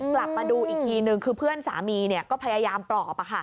กลับมาดูอีกทีนึงคือเพื่อนสามีก็พยายามปลอบ